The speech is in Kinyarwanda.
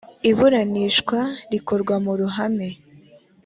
iburanisha rikorwa mu ruhame